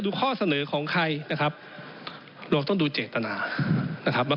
ตอนนี้เขาทะเลาะกับหมา